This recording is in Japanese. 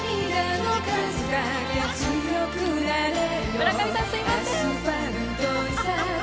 村上さん、すみません。